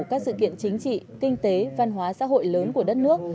các sự kiện chính trị kinh tế văn hóa xã hội lớn của đất nước